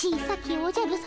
おじゃるさま